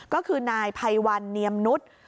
ก็คือนายภัยวันเนียมนุษย์